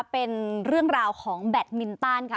เป็นเรื่องราวของแบตมินตันค่ะ